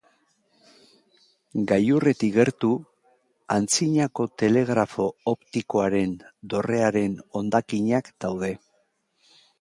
Gailurretik gertu, antzinako telegrafo optikoaren dorrearen hondakinak daude.